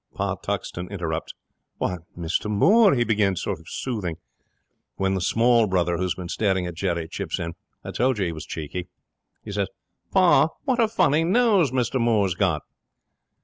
Pa Tuxton interrupts. '"Why, Mr Moore," he begins, sort of soothing; when the small brother, who's been staring at Jerry, chips in. I told you he was cheeky. 'He says, "Pa, what a funny nose Mr Moore's got!"